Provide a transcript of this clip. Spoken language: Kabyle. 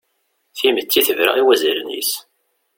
Timetti tebra i wazalen-is.